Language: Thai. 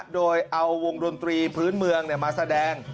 โดยเอาวงดนตรีพื้นเมืองมาแสดง